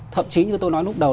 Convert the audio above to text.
thậm chí như tôi nói lúc đầu